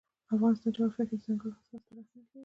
د افغانستان جغرافیه کې دځنګل حاصلات ستر اهمیت لري.